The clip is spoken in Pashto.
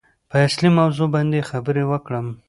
په اصلي موضوع باندې خبرې وکړم.